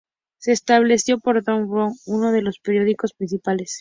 Se estableció por Dong-A Ilbo, uno de los periódicos principales.